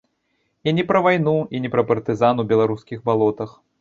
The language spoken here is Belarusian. І не пра вайну, і не пра партызан у беларускіх балотах.